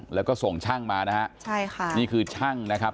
แล้วก็ส่งช่างมานะฮะใช่ค่ะนี่คือช่างนะครับ